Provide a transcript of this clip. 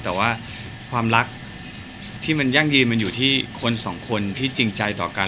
แต่ว่าความรักที่มันยั่งยืนมันอยู่ที่คนสองคนที่จริงใจต่อกัน